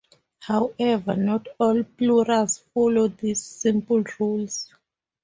However, not all plurals follow these simple rules.